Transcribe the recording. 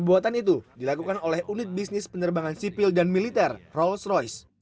pembuatan itu dilakukan oleh unit bisnis penerbangan sipil dan militer rolls royce